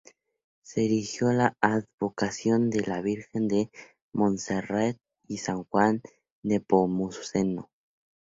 Se erigió la advocación de la Virgen de la Monserrate y San Juan Nepomuceno.